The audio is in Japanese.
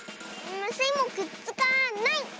スイもくっつかない！